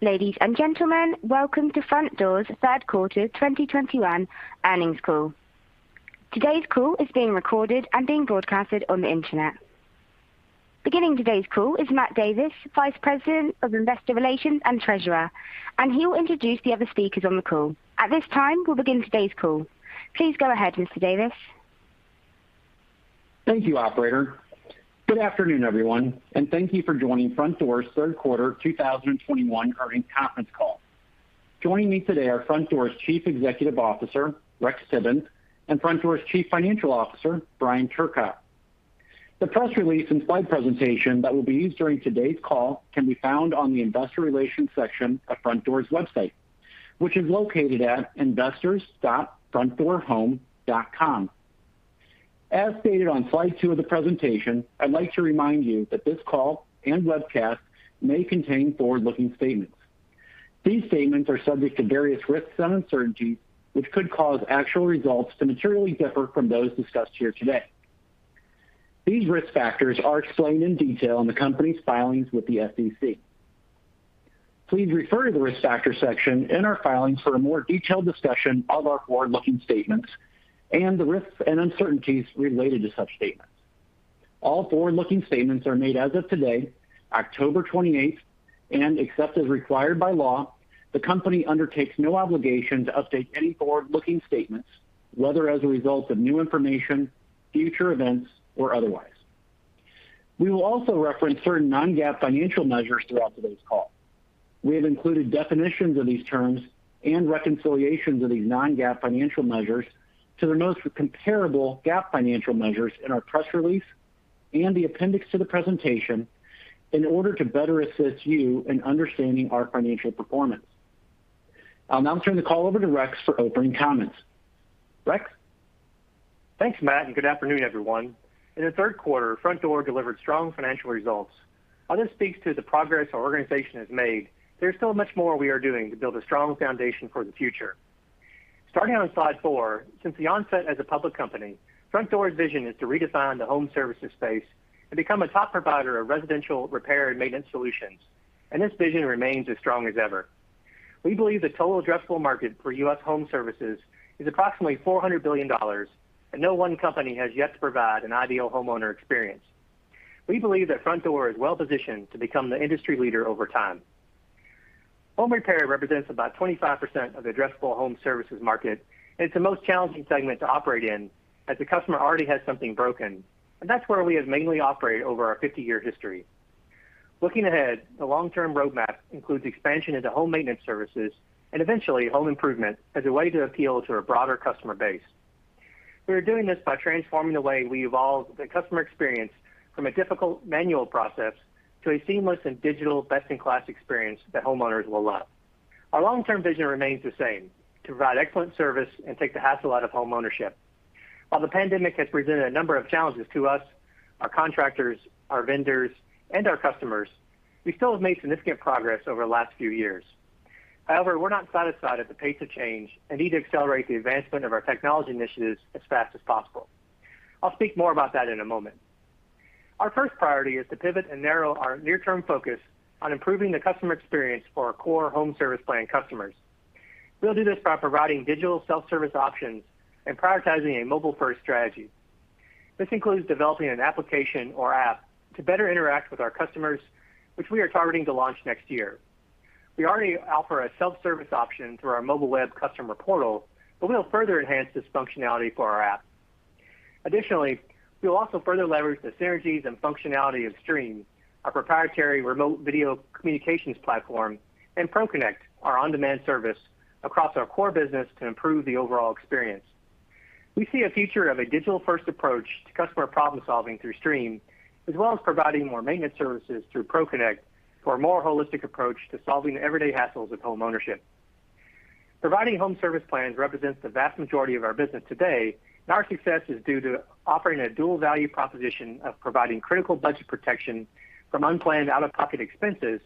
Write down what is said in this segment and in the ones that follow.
Ladies and gentlemen, welcome to Frontdoor's third quarter 2021 earnings call. Today's call is being recorded and being broadcasted on the Internet. Beginning today's call is Matt Davis, Vice President of Investor Relations and Treasurer, and he will introduce the other speakers on the call. At this time, we'll begin today's call. Please go ahead, Mr. Davis. Thank you, operator. Good afternoon, everyone, and thank you for joining Frontdoor's third quarter 2021 earnings conference call. Joining me today are Frontdoor's Chief Executive Officer, Rex Tibbens, and Frontdoor's Chief Financial Officer, Brian Turcotte. The press release and slide presentation that will be used during today's call can be found on the investor relations section of Frontdoor's website, which is located at investors.frontdoorhome.com. As stated on Slide 2 of the presentation, I'd like to remind you that this call and webcast may contain forward-looking statements. These statements are subject to various risks and uncertainties, which could cause actual results to materially differ from those discussed here today. These risk factors are explained in detail in the company's filings with the SEC. Please refer to the Risk Factors section in our filings for a more detailed discussion of our forward-looking statements and the risks and uncertainties related to such statements. All forward-looking statements are made as of today, October 28, and except as required by law, the Company undertakes no obligation to update any forward-looking statements, whether as a result of new information, future events, or otherwise. We will also reference certain non-GAAP financial measures throughout today's call. We have included definitions of these terms and reconciliations of these non-GAAP financial measures to the most comparable GAAP financial measures in our press release and the appendix to the presentation in order to better assist you in understanding our financial performance. I'll now turn the call over to Rex for opening comments. Rex? Thanks, Matt, and good afternoon, everyone. In the third quarter, Frontdoor delivered strong financial results. While this speaks to the progress our organization has made, there's still much more we are doing to build a strong foundation for the future. Starting on Slide 4, since the onset as a public company, Frontdoor's vision is to redesign the home services space and become a top provider of residential repair and maintenance solutions, and this vision remains as strong as ever. We believe the total addressable market for U.S. home services is approximately $400 billion, and no one company has yet to provide an ideal homeowner experience. We believe that Frontdoor is well-positioned to become the industry leader over time. Home repair represents about 25% of the addressable home services market, and it's the most challenging segment to operate in, as the customer already has something broken, and that's where we have mainly operated over our 50-year history. Looking ahead, the long-term roadmap includes expansion into home maintenance services and eventually home improvement as a way to appeal to a broader customer base. We are doing this by transforming the way we evolve the customer experience from a difficult manual process to a seamless and digital best-in-class experience that homeowners will love. Our long-term vision remains the same, to provide excellent service and take the hassle out of homeownership. While the pandemic has presented a number of challenges to us, our contractors, our vendors, and our customers, we still have made significant progress over the last few years. However, we're not satisfied at the pace of change and need to accelerate the advancement of our technology initiatives as fast as possible. I'll speak more about that in a moment. Our first priority is to pivot and narrow our near-term focus on improving the customer experience for our core home service plan customers. We'll do this by providing digital self-service options and prioritizing a mobile-first strategy. This includes developing an application or app to better interact with our customers, which we are targeting to launch next year. We already offer a self-service option through our mobile web customer portal, but we'll further enhance this functionality for our app. Additionally, we will also further leverage the synergies and functionality of Streem, our proprietary remote video communications platform, and ProConnect, our on-demand service, across our core business to improve the overall experience. We see a future of a digital-first approach to customer problem-solving through Streem, as well as providing more maintenance services through ProConnect for a more holistic approach to solving the everyday hassles of homeownership. Providing home service plans represents the vast majority of our business today, and our success is due to offering a dual value proposition of providing critical budget protection from unplanned out-of-pocket expenses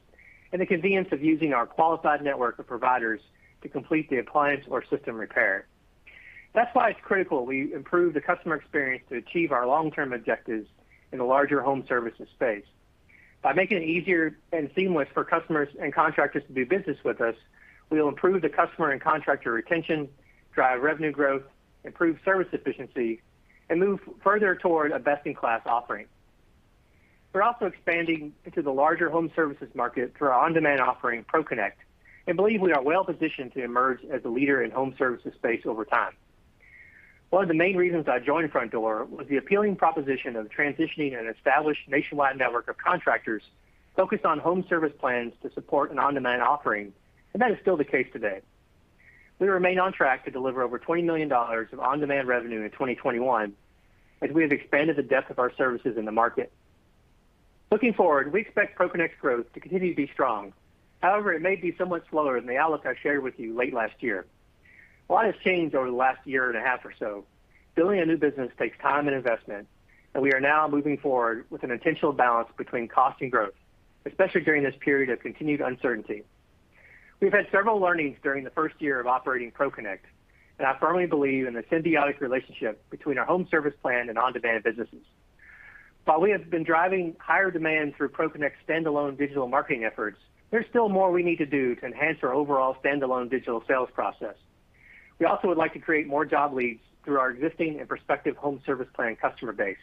and the convenience of using our qualified network of providers to complete the appliance or system repair. That's why it's critical we improve the customer experience to achieve our long-term objectives in the larger home services space. By making it easier and seamless for customers and contractors to do business with us, we will improve the customer and contractor retention, drive revenue growth, improve service efficiency, and move further toward a best-in-class offering. We're also expanding into the larger home services market through our on-demand offering, ProConnect, and believe we are well-positioned to emerge as a leader in home services space over time. One of the main reasons I joined Frontdoor was the appealing proposition of transitioning an established nationwide network of contractors focused on home service plans to support an on-demand offering, and that is still the case today. We remain on track to deliver over $20 million of on-demand revenue in 2021, as we have expanded the depth of our services in the market. Looking forward, we expect ProConnect's growth to continue to be strong. However, it may be somewhat slower than the outlook I shared with you late last year. A lot has changed over the last year and a half or so. Building a new business takes time and investment, and we are now moving forward with an intentional balance between cost and growth, especially during this period of continued uncertainty. We've had several learnings during the first year of operating ProConnect, and I firmly believe in the symbiotic relationship between our home service plan and on-demand businesses. While we have been driving higher demand through ProConnect standalone digital marketing efforts, there's still more we need to do to enhance our overall standalone digital sales process. We also would like to create more job leads through our existing and prospective home service plan customer base.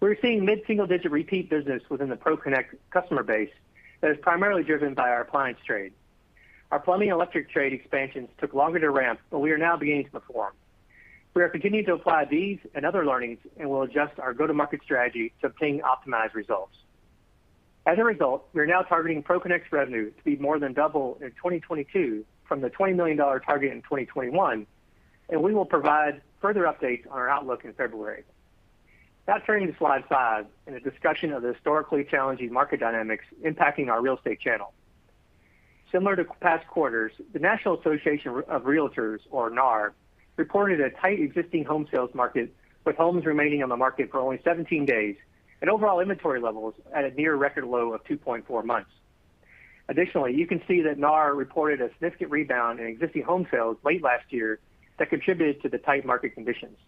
We're seeing mid-single digit repeat business within the ProConnect customer base that is primarily driven by our appliance trade. Our plumbing electric trade expansions took longer to ramp, but we are now beginning to perform. We are continuing to apply these and other learnings, and we'll adjust our go-to-market strategy to obtain optimized results. As a result, we are now targeting ProConnect's revenue to be more than double in 2022 from the $20 million target in 2021, and we will provide further updates on our outlook in February. Now turning to Slide 5 in a discussion of the historically challenging market dynamics impacting our real estate channel. Similar to past quarters, the National Association of Realtors, or NAR, reported a tight existing home sales market, with homes remaining on the market for only 17 days and overall inventory levels at a near record low of 2.4 months. Additionally, you can see that NAR reported a significant rebound in existing home sales late last year that contributed to the tight market conditions.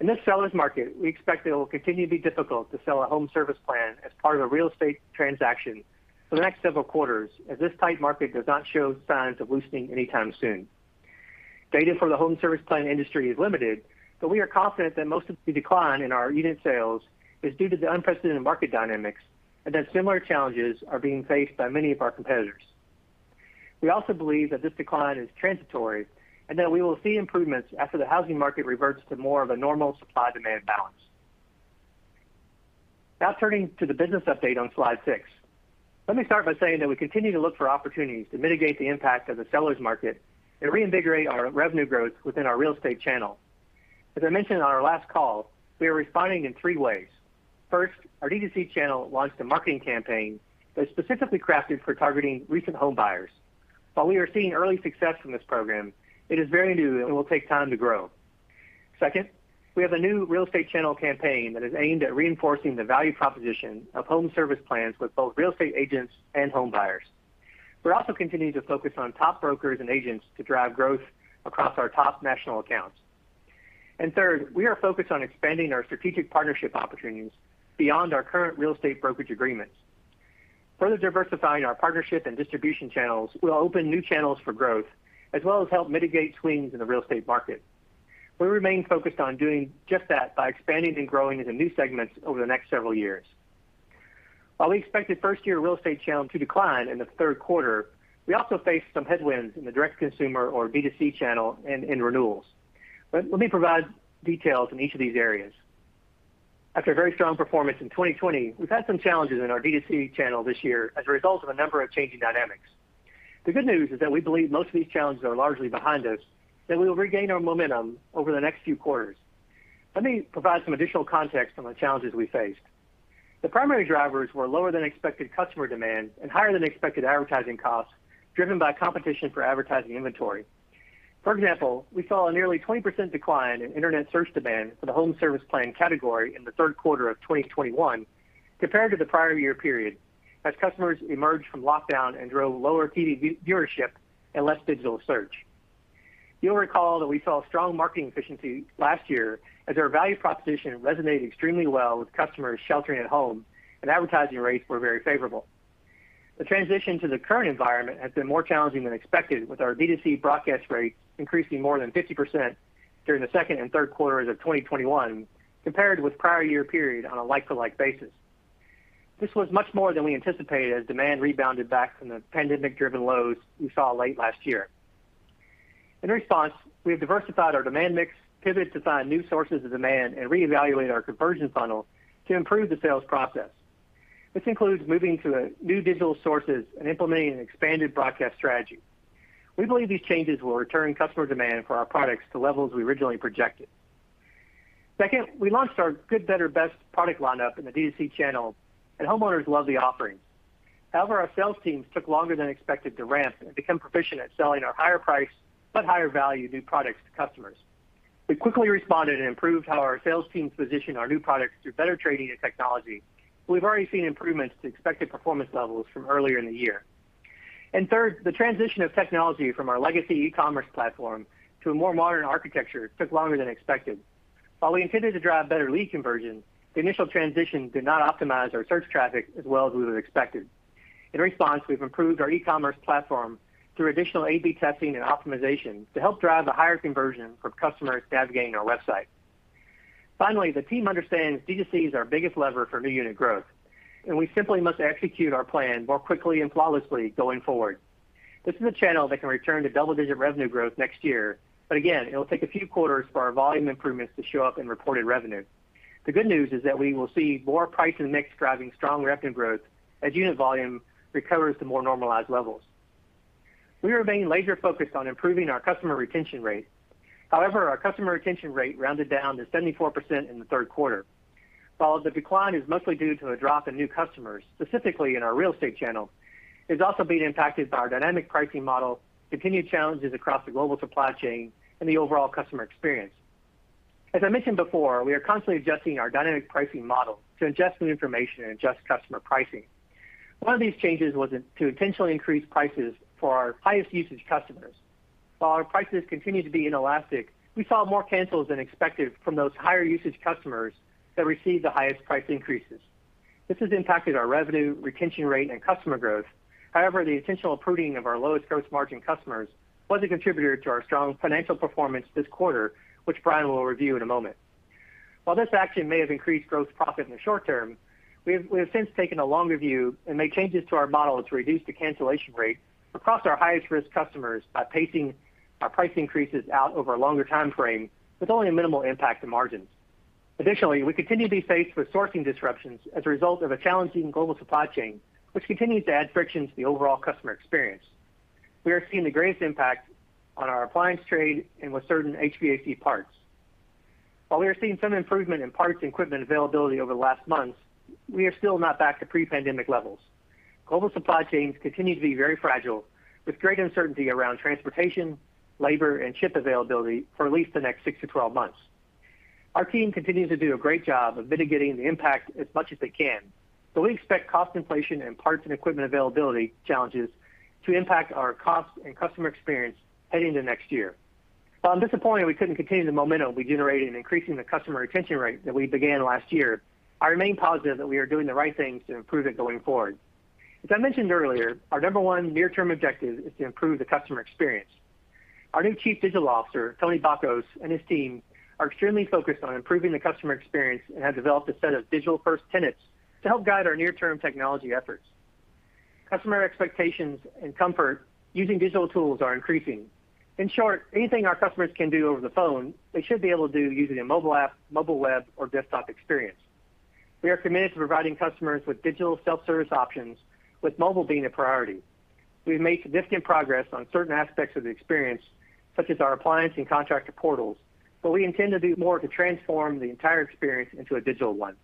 In this seller's market, we expect it will continue to be difficult to sell a home service plan as part of a real estate transaction for the next several quarters, as this tight market does not show signs of loosening anytime soon. Data for the home service plan industry is limited, but we are confident that most of the decline in our unit sales is due to the unprecedented market dynamics and that similar challenges are being faced by many of our competitors. We also believe that this decline is transitory and that we will see improvements after the housing market reverts to more of a normal supply-demand balance. Now turning to the business update on Slide 6. Let me start by saying that we continue to look for opportunities to mitigate the impact of the seller's market and reinvigorate our revenue growth within our real estate channel. As I mentioned on our last call, we are responding in three ways. First, our D2C channel launched a marketing campaign that is specifically crafted for targeting recent home buyers. While we are seeing early success from this program, it is very new and will take time to grow. Second, we have a new real estate channel campaign that is aimed at reinforcing the value proposition of home service plans with both real estate agents and home buyers. We're also continuing to focus on top brokers and agents to drive growth across our top national accounts. Third, we are focused on expanding our strategic partnership opportunities beyond our current real estate brokerage agreements. Further diversifying our partnership and distribution channels will open new channels for growth as well as help mitigate swings in the real estate market. We remain focused on doing just that by expanding and growing into new segments over the next several years. While we expected first-year real estate channel to decline in the third quarter, we also faced some headwinds in the direct-to-consumer or B2C channel and in renewals. Let me provide details in each of these areas. After a very strong performance in 2020, we've had some challenges in our D2C channel this year as a result of a number of changing dynamics. The good news is that we believe most of these challenges are largely behind us, that we will regain our momentum over the next few quarters. Let me provide some additional context on the challenges we faced. The primary drivers were lower than expected customer demand and higher than expected advertising costs driven by competition for advertising inventory. For example, we saw a nearly 20% decline in internet search demand for the home service plan category in the third quarter of 2021 compared to the prior year period as customers emerged from lockdown and drove lower TV viewership and less digital search. You'll recall that we saw strong marketing efficiency last year as our value proposition resonated extremely well with customers sheltering at home and advertising rates were very favorable. The transition to the current environment has been more challenging than expected with our D2C broadcast rate increasing more than 50% during the second and third quarters of 2021 compared with prior year period on a like-to-like basis. This was much more than we anticipated as demand rebounded back from the pandemic-driven lows we saw late last year. In response, we have diversified our demand mix, pivoted to find new sources of demand, and reevaluated our conversion funnel to improve the sales process. This includes moving to new digital sources and implementing an expanded broadcast strategy. We believe these changes will return customer demand for our products to levels we originally projected. Second, we launched our good, better, best product lineup in the D2C channel, and homeowners love the offerings. However, our sales teams took longer than expected to ramp and become proficient at selling our higher priced but higher value new products to customers. We quickly responded and improved how our sales teams position our new products through better training and technology. We've already seen improvements to expected performance levels from earlier in the year. Third, the transition of technology from our legacy e-commerce platform to a more modern architecture took longer than expected. While we intended to drive better lead conversion, the initial transition did not optimize our search traffic as well as we would have expected. In response, we've improved our e-commerce platform through additional A/B testing and optimization to help drive a higher conversion from customers navigating our website. Finally, the team understands D2C is our biggest lever for new unit growth, and we simply must execute our plan more quickly and flawlessly going forward. This is a channel that can return to double-digit revenue growth next year, but again, it'll take a few quarters for our volume improvements to show up in reported revenue. The good news is that we will see more price and mix driving strong revenue growth as unit volume recovers to more normalized levels. We remain laser-focused on improving our customer retention rate. However, our customer retention rate rounded down to 74% in the third quarter. While the decline is mostly due to a drop in new customers, specifically in our real estate channel, it's also being impacted by our dynamic pricing model, continued challenges across the global supply chain, and the overall customer experience. As I mentioned before, we are constantly adjusting our dynamic pricing model to adjust new information and adjust customer pricing. One of these changes was to intentionally increase prices for our highest usage customers. While our prices continue to be inelastic, we saw more cancels than expected from those higher usage customers that received the highest price increases. This has impacted our revenue, retention rate, and customer growth. However, the intentional pruning of our lowest gross margin customers was a contributor to our strong financial performance this quarter, which Brian will review in a moment. While this action may have increased gross profit in the short term, we have since taken a longer view and made changes to our model to reduce the cancellation rate across our highest risk customers by pacing our price increases out over a longer time frame with only a minimal impact to margins. Additionally, we continue to be faced with sourcing disruptions as a result of a challenging global supply chain, which continues to add friction to the overall customer experience. We are seeing the greatest impact on our appliance trade and with certain HVAC parts. While we are seeing some improvement in parts and equipment availability over the last months, we are still not back to pre-pandemic levels. Global supply chains continue to be very fragile, with great uncertainty around transportation, labor, and ship availability for at least the next six to 12 months. Our team continues to do a great job of mitigating the impact as much as they can. We expect cost inflation and parts and equipment availability challenges to impact our cost and customer experience heading into next year. While I'm disappointed, we couldn't continue the momentum we generated in increasing the customer retention rate that we began last year, I remain positive that we are doing the right things to improve it going forward. As I mentioned earlier, our number one near-term objective is to improve the customer experience. Our new Chief Digital Officer, Tony Bacos, and his team are extremely focused on improving the customer experience and have developed a set of digital-first tenets to help guide our near-term technology efforts. Customer expectations and comfort using digital tools are increasing. In short, anything our customers can do over the phone, they should be able to do using a mobile app, mobile web, or desktop experience. We are committed to providing customers with digital self-service options, with mobile being a priority. We've made significant progress on certain aspects of the experience, such as our appliance and contractor portals, but we intend to do more to transform the entire experience into a digital one.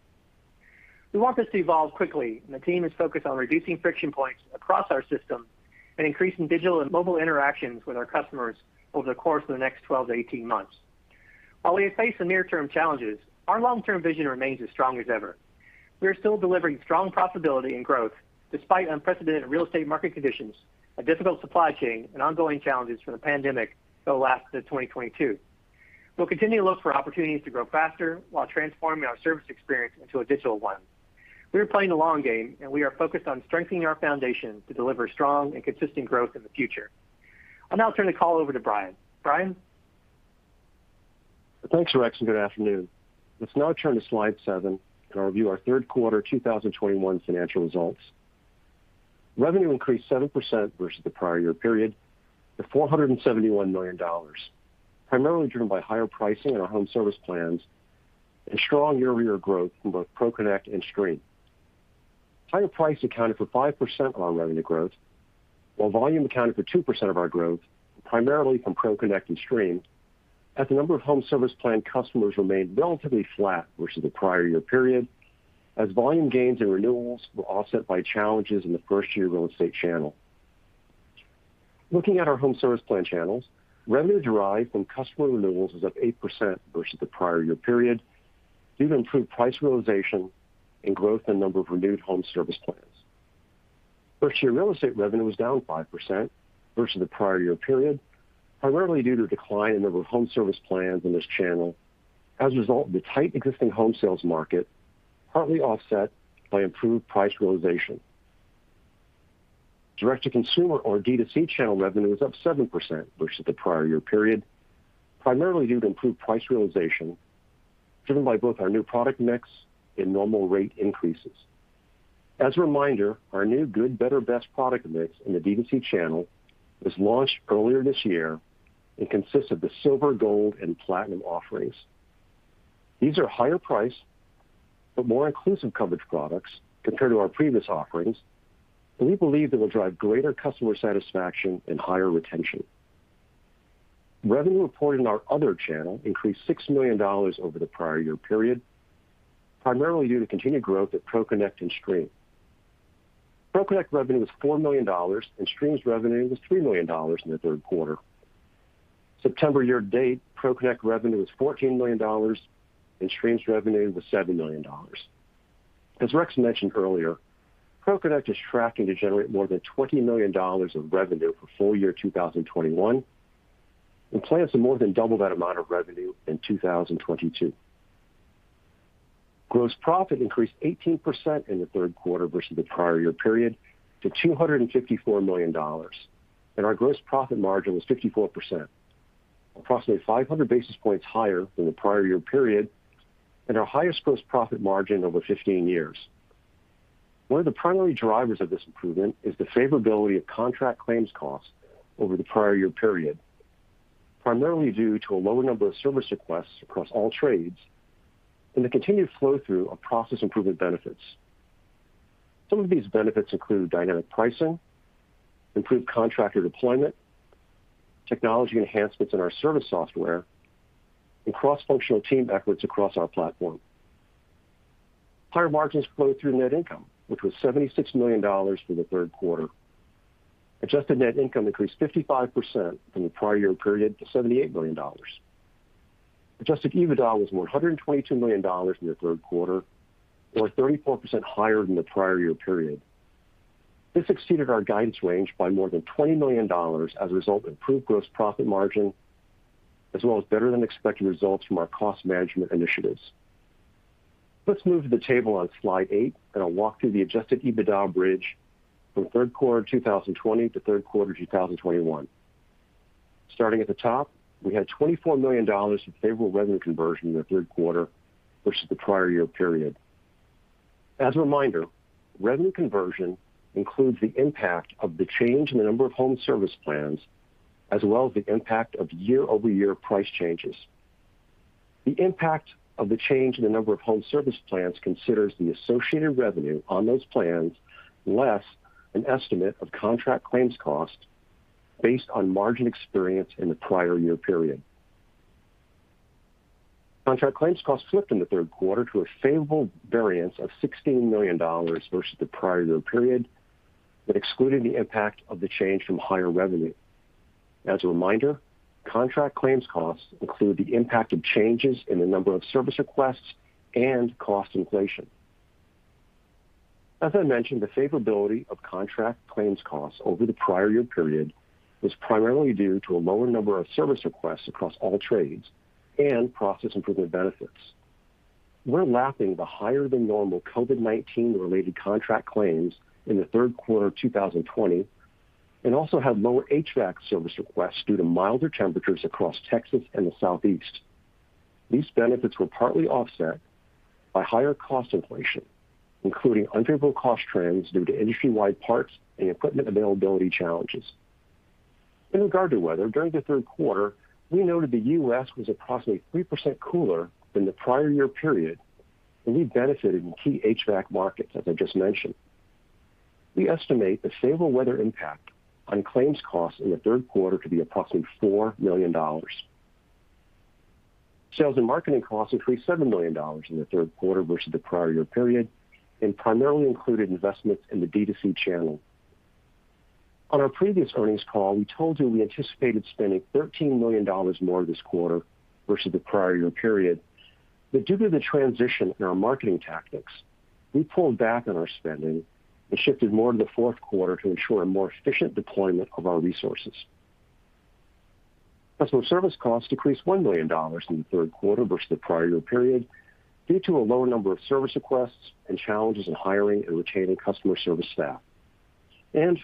We want this to evolve quickly, and the team is focused on reducing friction points across our system and increasing digital and mobile interactions with our customers over the course of the next 12-18 months. While we face some near-term challenges, our long-term vision remains as strong as ever. We are still delivering strong profitability and growth despite unprecedented real estate market conditions, a difficult supply chain, and ongoing challenges from the pandemic that will last to 2022. We'll continue to look for opportunities to grow faster while transforming our service experience into a digital one. We are playing the long game, and we are focused on strengthening our foundation to deliver strong and consistent growth in the future. I'll now turn the call over to Brian. Brian? Thanks, Rex, and good afternoon. Let's now turn to Slide 7, and I'll review our third quarter 2021 financial results. Revenue increased 7% versus the prior year period to $471 million, primarily driven by higher pricing in our Home Service Plans and strong year-over-year growth from both ProConnect and Streem. Higher price accounted for 5% of our revenue growth, while volume accounted for 2% of our growth, primarily from ProConnect and Streem, as the number of Home Service Plan customers remained relatively flat versus the prior year period, as volume gains and renewals were offset by challenges in the first-year real estate channel. Looking at our Home Service Plan channels, revenue derived from customer renewals was up 8% versus the prior year period due to improved price realization and growth in the number of renewed Home Service Plans. First year real estate revenue was down 5% versus the prior year period, primarily due to a decline in the Home Service Plans in this channel as a result of the tight existing home sales market, partly offset by improved price realization. Direct-to-consumer or D2C channel revenue was up 7% versus the prior year period, primarily due to improved price realization driven by both our new product mix and normal rate increases. As a reminder, our new good, better, best product mix in the D2C channel was launched earlier this year and consists of the silver, gold, and platinum offerings. These are higher priced but more inclusive coverage products compared to our previous offerings, and we believe they will drive greater customer satisfaction and higher retention. Revenue reported in our other channel increased $6 million over the prior year period, primarily due to continued growth at ProConnect and Streem. ProConnect revenue was $4 million, and Streem's revenue was $3 million in the third quarter. September year to date, ProConnect revenue was $14 million, and Streem's revenue was $7 million. As Rex mentioned earlier, ProConnect is tracking to generate more than $20 million of revenue for full year 2021 and plans to more than double that amount of revenue in 2022. Gross profit increased 18% in the third quarter versus the prior year period to $254 million. Our gross profit margin was 54%, approximately 500 basis points higher than the prior year period and our highest gross profit margin over 15 years. One of the primary drivers of this improvement is the favorability of contract claims costs over the prior year period, primarily due to a lower number of service requests across all trades and the continued flow-through of process improvement benefits. Some of these benefits include dynamic pricing, improved contractor deployment, technology enhancements in our service software, and cross-functional team efforts across our platform. Higher margins flowed through net income, which was $76 million for the third quarter. Adjusted net income increased 55% from the prior year period to $78 million. Adjusted EBITDA was $122 million in the third quarter, or 34% higher than the prior year period. This exceeded our guidance range by more than $20 million as a result of improved gross profit margin, as well as better than expected results from our cost management initiatives. Let's move to the table on Slide 8, and I'll walk through the adjusted EBITDA bridge from third quarter 2020 to third quarter 2021. Starting at the top, we had $24 million of favorable revenue conversion in the third quarter versus the prior year period. As a reminder, revenue conversion includes the impact of the change in the number of home service plans, as well as the impact of year-over-year price changes. The impact of the change in the number of home service plans considers the associated revenue on those plans, less an estimate of contract claims cost based on margin experience in the prior year period. Contract claims costs flipped in the third quarter to a favorable variance of $16 million versus the prior year period that excluded the impact of the change from higher revenue. As a reminder, contract claims costs include the impact of changes in the number of service requests and cost inflation. As I mentioned, the favorability of contract claims costs over the prior year period was primarily due to a lower number of service requests across all trades and process improvement benefits. We're lapping the higher-than-normal COVID-19 related contract claims in the third quarter of 2020, and also had lower HVAC service requests due to milder temperatures across Texas and the Southeast. These benefits were partly offset by higher cost inflation, including unfavorable cost trends due to industry-wide parts and equipment availability challenges. In regard to weather, during the third quarter, we noted the U.S. was approximately 3% cooler than the prior year period, and we benefited in key HVAC markets, as I just mentioned. We estimate the favorable weather impact on claims costs in the third quarter to be approximately $4 million. Sales and marketing costs increased $7 million in the third quarter versus the prior year period and primarily included investments in the D2C channel. On our previous earnings call, we told you we anticipated spending $13 million more this quarter versus the prior year period. Due to the transition in our marketing tactics, we pulled back on our spending and shifted more to the fourth quarter to ensure a more efficient deployment of our resources. Customer service costs decreased $1 million in the third quarter versus the prior year period due to a lower number of service requests and challenges in hiring and retaining customer service staff.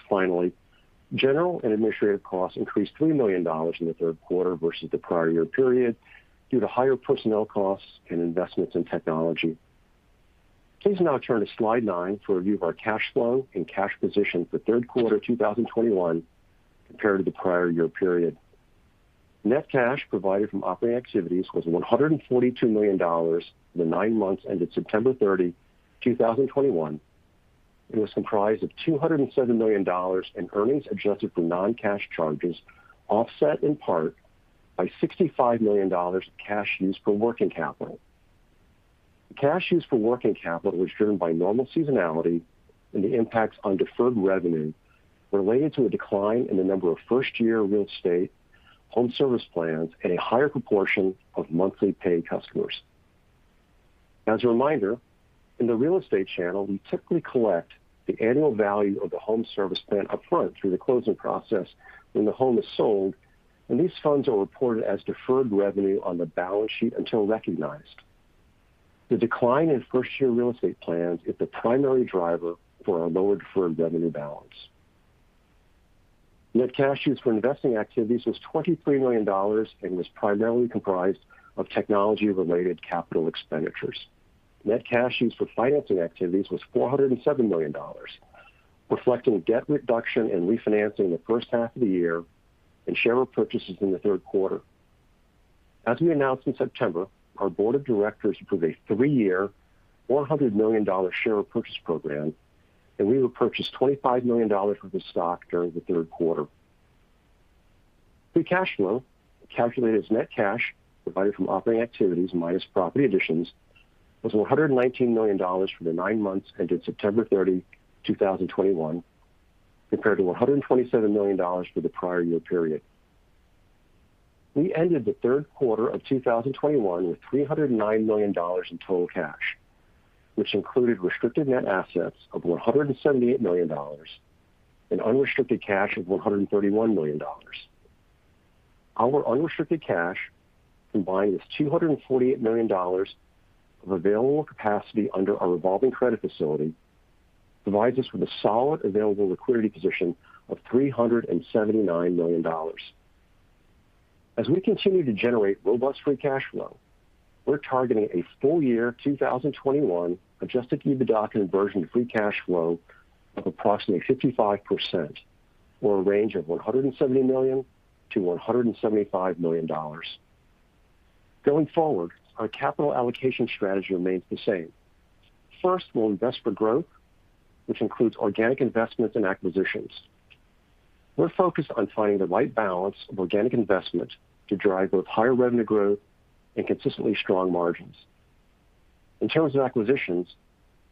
Finally, general and administrative costs increased $3 million in the third quarter versus the prior year period due to higher personnel costs and investments in technology. Please now turn to Slide 9 for a view of our cash flow and cash position for third quarter 2021 compared to the prior year period. Net cash provided from operating activities was $142 million for the nine months ended September 30, 2021. It was comprised of $207 million in earnings adjusted for non-cash charges, offset in part by $65 million of cash used for working capital. The cash used for working capital was driven by normal seasonality and the impacts on deferred revenue related to a decline in the number of first year real estate home service plans and a higher proportion of monthly paying customers. As a reminder, in the real estate channel, we typically collect the annual value of the home service plan upfront through the closing process when the home is sold, and these funds are reported as deferred revenue on the balance sheet until recognized. The decline in first year real estate plans is the primary driver for our lower deferred revenue balance. Net cash used for investing activities was $23 million and was primarily comprised of technology-related capital expenditures. Net cash used for financing activities was $407 million, reflecting debt reduction and refinancing in the first half of the year and share repurchases in the third quarter. As we announced in September, our board of directors approved a three-year, $100 million share repurchase program, and we repurchased $25 million worth of stock during the third quarter. Free cash flow, calculated as net cash provided from operating activities minus property additions, was $119 million for the nine months ended September 30, 2021, compared to $127 million for the prior year period. We ended the third quarter of 2021 with $309 million in total cash, which included restricted net assets of $178 million and unrestricted cash of $131 million. Our unrestricted cash, combined with $248 million of available capacity under our revolving credit facility, provides us with a solid available liquidity position of $379 million. As we continue to generate robust free cash flow, we're targeting a full year 2021 adjusted EBITDA conversion to free cash flow of approximately 55% or a range of $170 million-$175 million. Going forward, our capital allocation strategy remains the same. First, we'll invest for growth, which includes organic investments and acquisitions. We're focused on finding the right balance of organic investment to drive both higher revenue growth and consistently strong margins. In terms of acquisitions,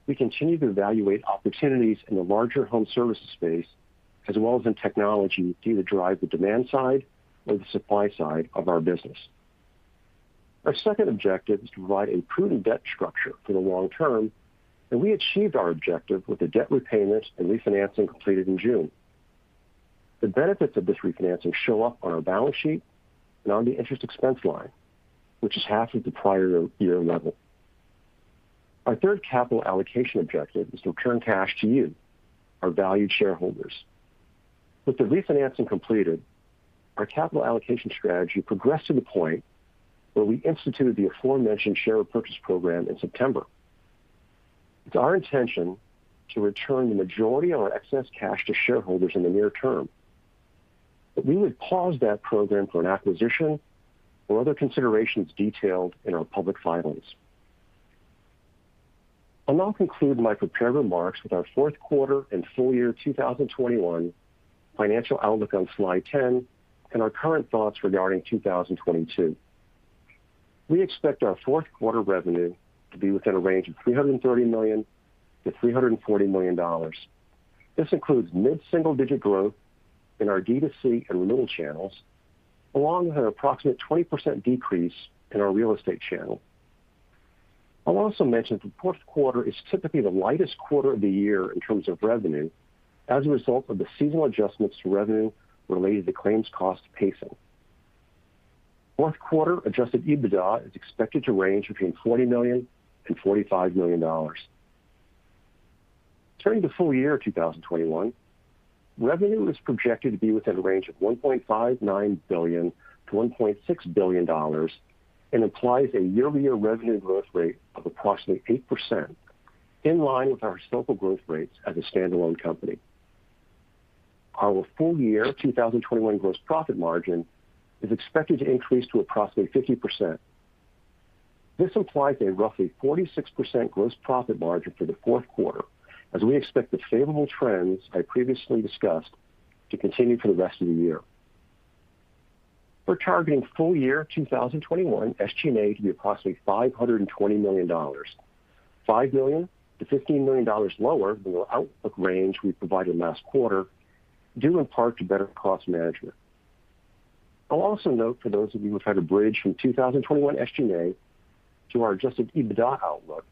we continue to evaluate opportunities in the larger home services space as well as in technology to either drive the demand side or the supply side of our business. Our second objective is to provide a prudent debt structure for the long term, and we achieved our objective with the debt repayment and refinancing completed in June. The benefits of this refinancing show up on our balance sheet and on the interest expense line, which is half of the prior year level. Our third capital allocation objective is to return cash to you, our valued shareholders. With the refinancing completed, our capital allocation strategy progressed to the point where we instituted the aforementioned share repurchase program in September. It's our intention to return the majority of our excess cash to shareholders in the near term, but we would pause that program for an acquisition or other considerations detailed in our public filings. I'll now conclude my prepared remarks with our fourth quarter and full year 2021 financial outlook on Slide 10 and our current thoughts regarding 2022. We expect our fourth quarter revenue to be within a range of $330 million-$340 million. This includes mid-single digit growth in our D2C and renewal channels, along with an approximate 20% decrease in our real estate channel. I'll also mention the fourth quarter is typically the lightest quarter of the year in terms of revenue as a result of the seasonal adjustments to revenue related to claims cost pacing. Fourth quarter adjusted EBITDA is expected to range between $40 million and $45 million. Turning to full year 2021, revenue is projected to be within a range of $1.59 billion-$1.6 billion and implies a year-over-year revenue growth rate of approximately 8%, in line with our historical growth rates as a standalone company. Our full year 2021 gross profit margin is expected to increase to approximately 50%. This implies a roughly 46% gross profit margin for the fourth quarter, as we expect the favorable trends I previously discussed to continue for the rest of the year. We're targeting full year 2021 SG&A to be approximately $520 million, $5 million-$15 million lower than the outlook range we provided last quarter, due in part to better cost management. I'll also note for those of you who've had to bridge from 2021 SG&A to our adjusted EBITDA outlook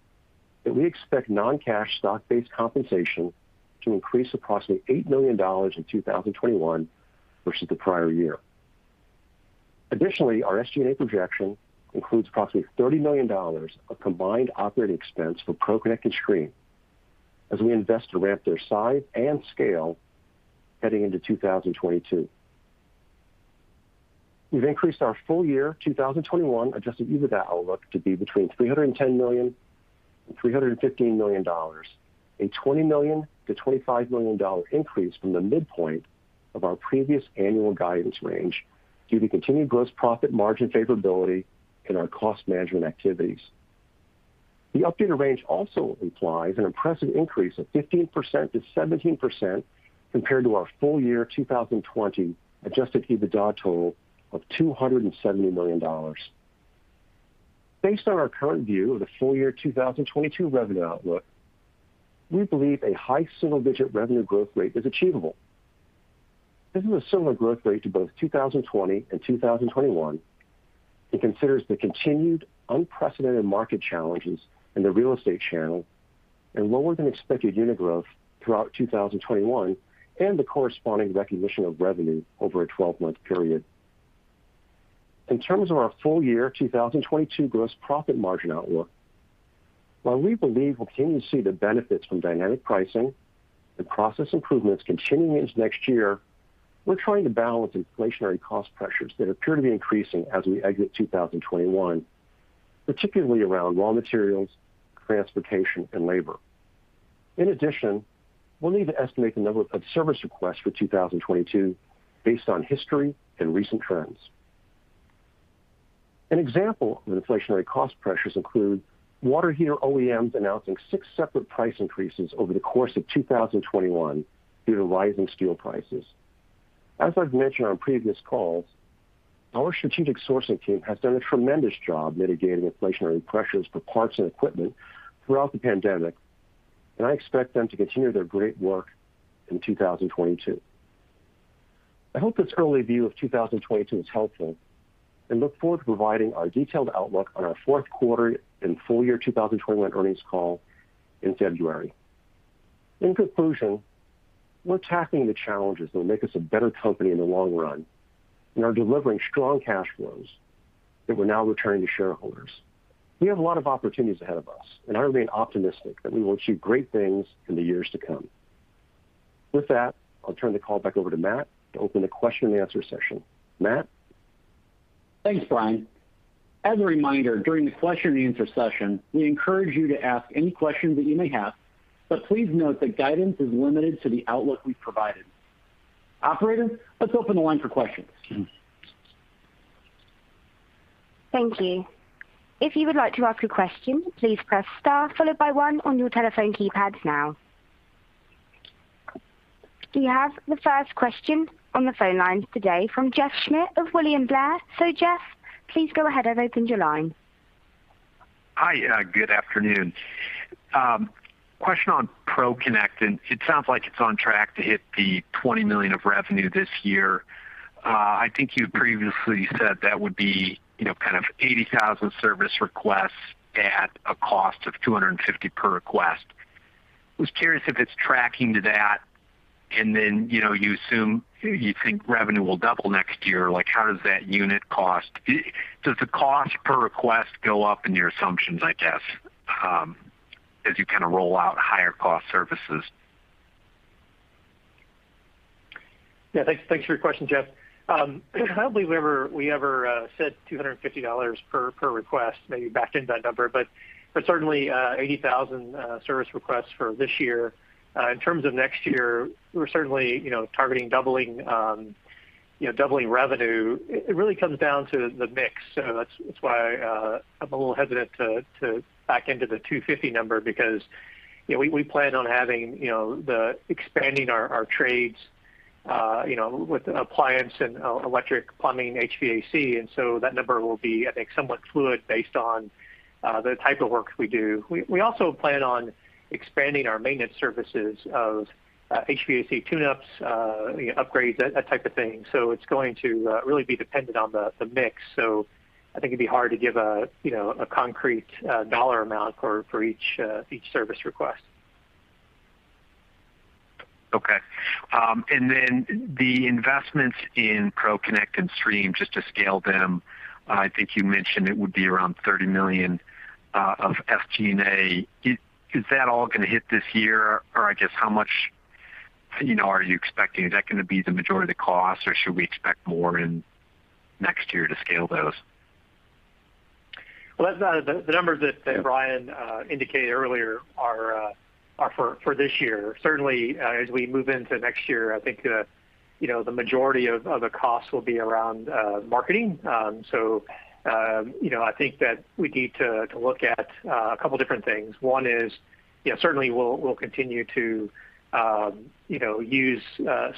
that we expect non-cash stock-based compensation to increase approximately $8 million in 2021 versus the prior year. Additionally, our SG&A projection includes approximately $30 million of combined operating expense for ProConnect and Streem as we invest to ramp their size and scale heading into 2022. We've increased our full year 2021 adjusted EBITDA outlook to be between $310 million and $315 million, a $20 million-$25 million increase from the midpoint of our previous annual guidance range due to continued gross profit margin favorability and our cost management activities. The updated range also implies an impressive increase of 15%-17% compared to our full year 2020 adjusted EBITDA total of $270 million. Based on our current view of the full year 2022 revenue outlook, we believe a high single-digit revenue growth rate is achievable. This is a similar growth rate to both 2020 and 2021. It considers the continued unprecedented market challenges in the real estate channel and lower-than-expected unit growth throughout 2021 and the corresponding recognition of revenue over a twelve-month period. In terms of our full year 2022 gross profit margin outlook, while we believe we'll continue to see the benefits from dynamic pricing and process improvements continuing into next year, we're trying to balance inflationary cost pressures that appear to be increasing as we exit 2021, particularly around raw materials, transportation, and labor. In addition, we'll need to estimate the number of service requests for 2022 based on history and recent trends. An example of inflationary cost pressures includes water heater OEM announcing six separate price increases over the course of 2021 due to rising steel prices. As I've mentioned on previous calls, our strategic sourcing team has done a tremendous job mitigating inflationary pressures for parts and equipment throughout the pandemic, and I expect them to continue their great work in 2022. I hope this early view of 2022 is helpful, and I look forward to providing our detailed outlook on our fourth quarter and full year 2021 earnings call in February. In conclusion, we're tackling the challenges that will make us a better company in the long run and are delivering strong cash flows that we're now returning to shareholders. We have a lot of opportunities ahead of us, and I remain optimistic that we will achieve great things in the years to come. With that, I'll turn the call back over to Matt to open the question-and-answer session. Matt? Thanks, Brian. As a reminder, during the question-and-answer session, we encourage you to ask any questions that you may have, but please note that guidance is limited to the outlook we've provided. Operator, let's open the line for questions. Thank you. If you would like to ask a question, please press star followed by one on your telephone keypads now. We have the first question on the phone lines today from Jeff Schmitt of William Blair. Jeff, please go ahead. I've opened your line. Hi. Good afternoon. Question on ProConnect, and it sounds like it's on track to hit the $20 million of revenue this year. I think you previously said that would be, you know, kind of 80,000 service requests at a cost of $250 per request. Was curious if it's tracking to that, and then, you know, you assume you think revenue will double next year. Like, how does that unit cost does the cost per request go up in your assumptions, I guess, as you kind of roll out higher cost services? Yeah. Thanks for your question, Jeff. I don't believe we ever said $250 per request. Maybe backed into that number, but certainly 80,000 service requests for this year. In terms of next year, we're certainly targeting doubling revenue. It really comes down to the mix. That's why I'm a little hesitant to back into the $250 number because, you know, we plan on expanding our trades with appliance and electrical, plumbing, HVAC. That number will be, I think, somewhat fluid based on the type of work we do. We also plan on expanding our maintenance services of HVAC tuneups, upgrades, that type of thing. It's going to really be dependent on the mix. I think it'd be hard to give a, you know, a concrete dollar amount for each service request. Okay. The investments in ProConnect and Streem, just to scale them, I think you mentioned it would be around $30 million of SG&A. Is that all gonna hit this year? Or I guess, how much, you know, are you expecting? Is that gonna be the majority of the cost, or should we expect more in next year to scale those? The numbers that Brian indicated earlier are for this year. Certainly, as we move into next year, I think you know the majority of the costs will be around marketing. You know, I think that we need to look at a couple different things. One is, you know, certainly, we'll continue to you know use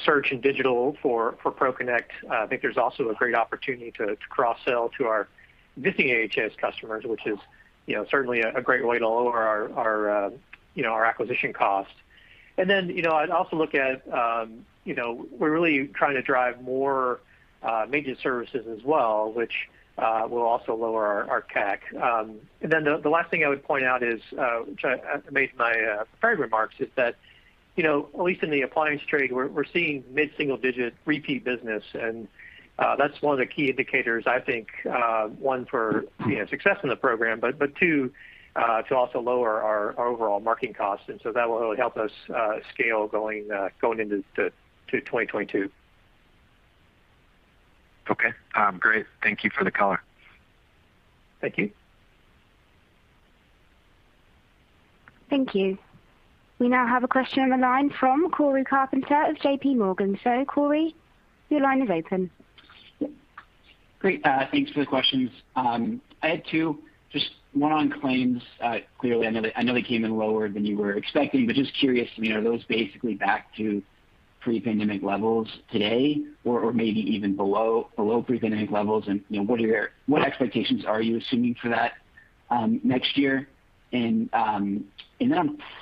search and digital for ProConnect. I think there's also a great opportunity to cross-sell to our AHS customers, which is, you know, certainly a great way to lower our you know our acquisition costs. You know, I'd also look at, you know, we're really trying to drive more maintenance services as well, which will also lower our CAC. Then the last thing I would point out is, which I made in my prepared remarks is that, you know, at least in the appliance trade, we're seeing mid-single digit repeat business. That's one of the key indicators I think, one for, you know, success in the program, but two, to also lower our overall marketing costs. That will really help us scale going into 2022. Okay. Great. Thank you for the color. Thank you. Thank you. We now have a question on the line from Cory Carpenter of JPMorgan. So, Cory your line is open. Great. Thanks for the questions. I had two, just one on claims. Clearly, I know they came in lower than you were expecting, but just curious, you know, are those basically back to pre-pandemic levels today or maybe even below pre-pandemic levels? What expectations are you assuming for that next year? On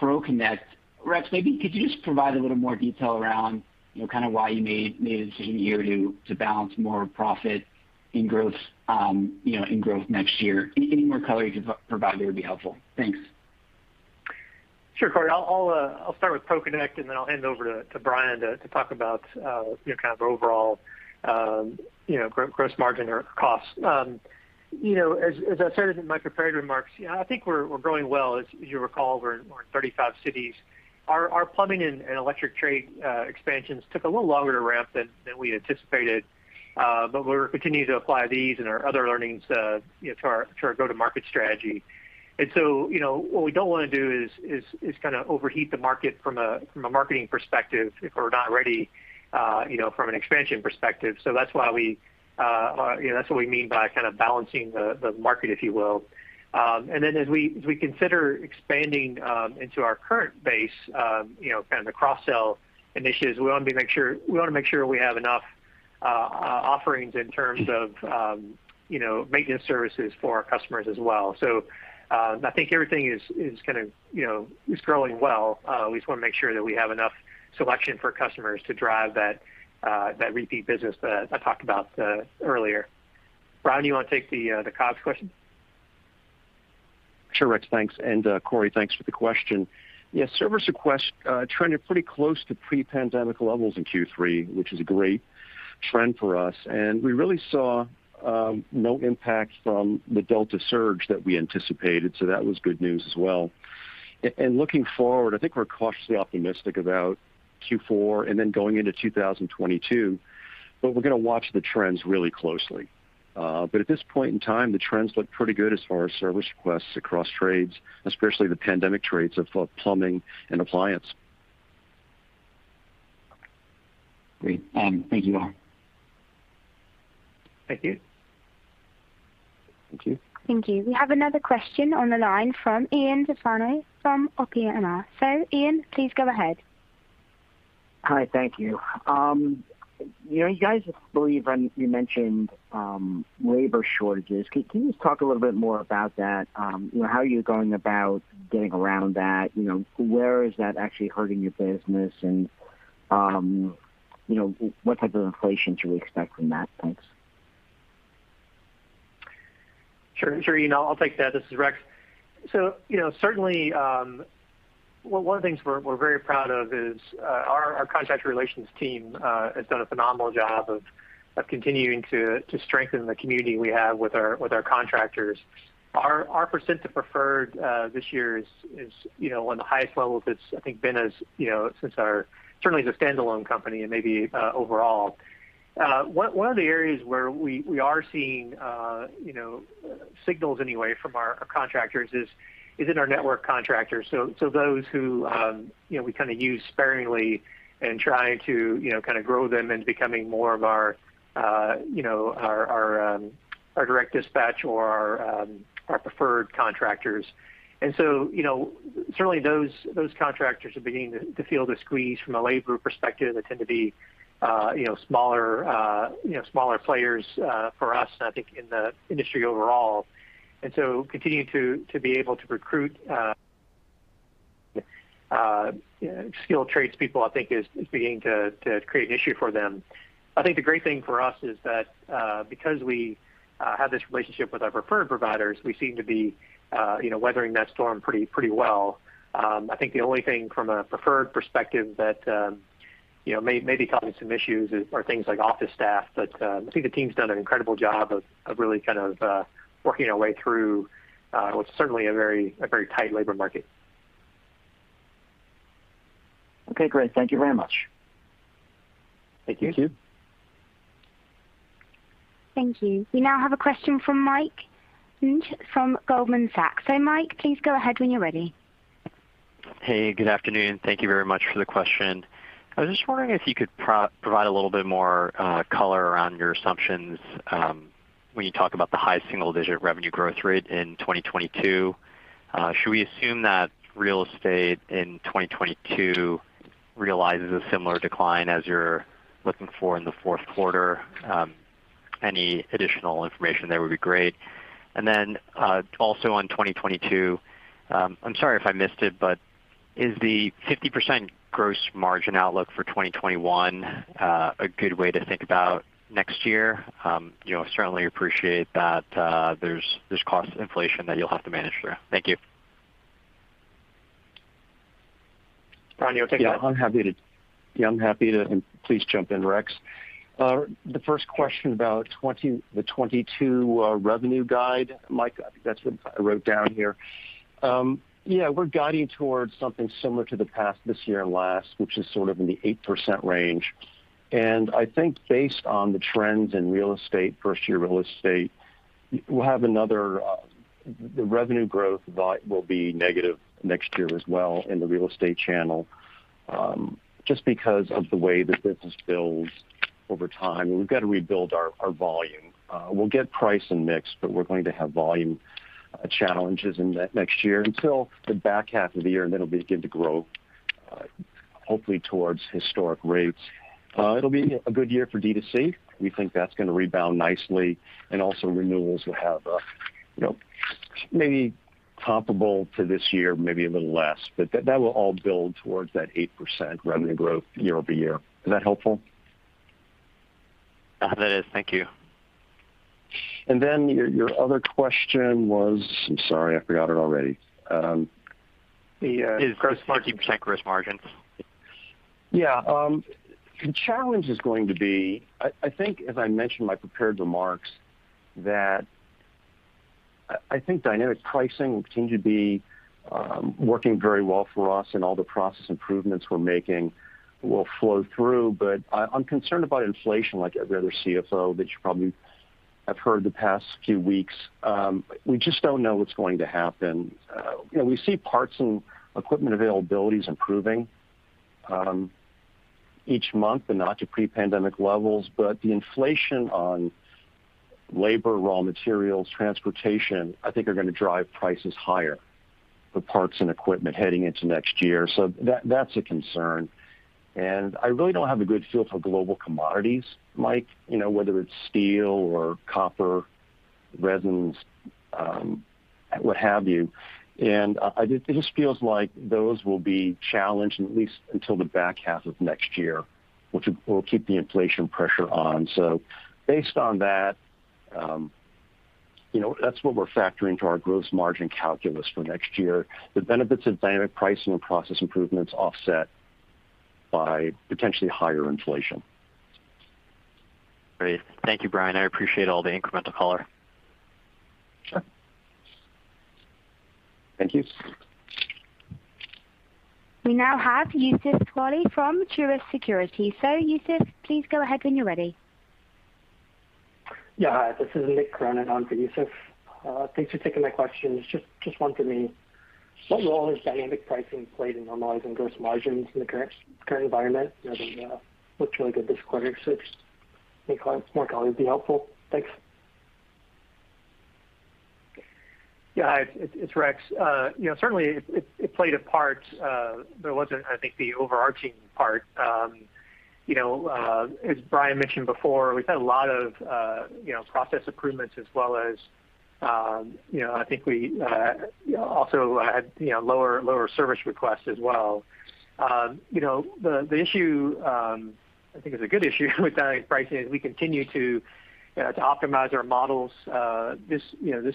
ProConnect, Rex, maybe could you just provide a little more detail around, you know, kind of why you made the decision here to balance more profit and growth next year? Any more color you could provide there would be helpful. Thanks. Sure, Cory. I'll start with ProConnect, and then I'll hand over to Brian to talk about you know kind of overall you know gross margin or costs. You know as I stated in my prepared remarks, you know I think we're growing well. As you recall, we're in 35 cities. Our plumbing and electric trade expansions took a little longer to ramp than we anticipated, but we're continuing to apply these and our other learnings, you know to our go-to-market strategy. You know what we don't wanna do is kinda overheat the market from a marketing perspective if we're not ready, you know from an expansion perspective. That's why we, that's what we mean by kind of balancing the market, if you will. As we consider expanding into our current base, kind of the cross-sell initiatives, we wanna make sure we have enough offerings in terms of maintenance services for our customers as well. I think everything is kind of growing well. We just wanna make sure that we have enough selection for customers to drive that repeat business that I talked about earlier. Brian, do you wanna take the COGS question? Sure, Rex. Thanks. Cory, thanks for the question. Yeah. Service requests trended pretty close to pre-pandemic levels in Q3, which is a great trend for us. We really saw no impact from the Delta surge that we anticipated, so that was good news as well. Looking forward, I think we're cautiously optimistic about Q4 and then going into 2022, but we're gonna watch the trends really closely. At this point in time, the trends look pretty good as far as service requests across trades, especially the pandemic trades of plumbing and appliance. Great. Thank you all. Thank you. Thank you. We have another question on the line from Ian Zaffino from Oppenheimer. Ian, please go ahead. Hi. Thank you. You know, you guys believe and you mentioned labor shortages. Can you just talk a little bit more about that? You know, how are you going about getting around that? You know, where is that actually hurting your business? You know, what type of inflation should we expect from that? Thanks. Sure, sure. You know, I'll take that. This is Rex. You know, certainly, one of the things we're very proud of is our contractor relations team has done a phenomenal job of continuing to strengthen the community we have with our contractors. Our percent of preferred this year is, you know, on the highest levels it's been, I think, as you know, since our certainly as a standalone company and maybe overall. One of the areas where we are seeing, you know, signals anyway from our contractors is in our network contractors. Those who we kind of use sparingly and trying to kind of grow them and becoming more of our direct dispatch or our preferred contractors. Certainly, those contractors are beginning to feel the squeeze from a labor perspective. They tend to be smaller players for us and I think in the industry overall. Continuing to be able to recruit skilled tradespeople, I think is beginning to create an issue for them. I think the great thing for us is that because we have this relationship with our preferred providers, we seem to be weathering that storm pretty well. I think the only thing from a preferred perspective that, you know, may be causing some issues are things like office staff. I think the team's done an incredible job of really kind of working our way through what's certainly a very tight labor market. Okay, great. Thank you very much. Thank you. Thank you. We now have a question from Mike Ng from Goldman Sachs. So, Mike please go ahead when you're ready. Hey, good afternoon. Thank you very much for the question. I was just wondering if you could provide a little bit more color around your assumptions when you talk about the high single-digit revenue growth rate in 2022. Should we assume that real estate in 2022 realizes a similar decline as you're looking for in the fourth quarter? Any additional information there would be great. Also on 2022, I'm sorry if I missed it, but is the 50% gross margin outlook for 2021 a good way to think about next year? You know, certainly appreciate that there's cost inflation that you'll have to manage through. Thank you. Brian, you wanna take that? Yeah, I'm happy to, and please jump in, Rex. The first question about the 2022 revenue guide, Mike, I think that's what I wrote down here. Yeah, we're guiding towards something similar to the past this year and last, which is sort of in the 8% range. I think based on the trends in real estate, first year real estate, we'll have another, the revenue growth will be negative next year as well in the real estate channel, just because of the way the business builds over time. We've got to rebuild our volume. We'll get price and mix, but we're going to have volume challenges in the next year until the back half of the year, and then it'll begin to grow, hopefully towards historic rates. It'll be a good year for D2C. We think that's gonna rebound nicely, and also renewals will have, you know, maybe comparable to this year, maybe a little less, but that will all build towards that 8% revenue growth year-over-year. Is that helpful? That is. Thank you. Your other question was. I'm sorry, I forgot it already. It's 50% gross margin. Yeah. The challenge is going to be, I think, as I mentioned in my prepared remarks that I think dynamic pricing will continue to be working very well for us and all the process improvements we're making will flow through. I'm concerned about inflation like every other CFO that you probably have heard the past few weeks. We just don't know what's going to happen. You know, we see parts and equipment availability is improving each month and not to pre-pandemic levels, but the inflation on labor, raw materials, transportation, I think are gonna drive prices higher for parts and equipment heading into next year. That's a concern. I really don't have a good feel for global commodities, Mike, you know, whether it's steel or copper, resins, what have you. It just feels like those will be challenged at least until the back half of next year, which will keep the inflation pressure on. Based on that, you know, that's what we're factoring into our gross margin calculus for next year. The benefits of dynamic pricing and process improvements offset by potentially higher inflation. Great. Thank you, Brian. I appreciate all the incremental color. Sure. Thank you. We now have Youssef Squali from Truist Securities. Youssef Squali, please go ahead when you're ready. Yeah. Hi, this is Nick Cronin on for Youssef Squali. Thanks for taking my questions. Just one for me. What role has dynamic pricing played in normalizing gross margins in the current environment? You know, they looked really good this quarter, so any comments, Mark, on how it would be helpful? Thanks. Yeah. It's Rex. You know, certainly it played a part. But it wasn't, I think, the overarching part. You know, as Brian mentioned before, we've had a lot of process improvements as well as, you know, I think we also had lower service requests as well. You know, the issue, I think is a good issue with dynamic pricing is we continue to optimize our models. This